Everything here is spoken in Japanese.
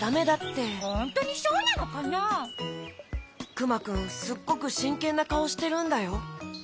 クマくんすっごくしんけんなかおしてるんだよ？